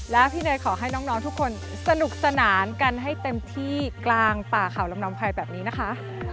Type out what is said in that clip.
แล้วพี่เนยขอให้น้องทุกคนสนุกสนานกันให้เต็มที่กลางป่าเขาลำนองภัยแบบนี้นะคะ